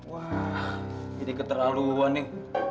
wah ini keterlaluan nih